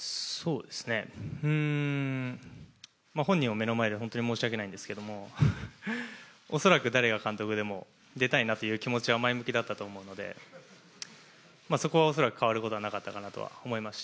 本人を目の前で本当に申し訳ないんですけども、恐らく誰が監督でも出たいなという気持ちは前向きだったと思うのでそこは恐らく変わることはなかったかなと思いますし。